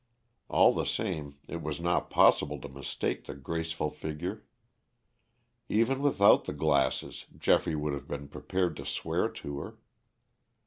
All the same, it was not possible to mistake the graceful figure. Even without the glasses Geoffrey would have been prepared to swear to her.